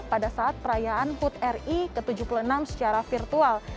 pada saat perayaan hud ri ke tujuh puluh enam secara virtual